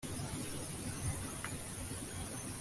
yahise izamuka mu gituba musohoreramo